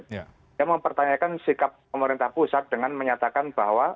dia mempertanyakan sikap pemerintah pusat dengan menyatakan bahwa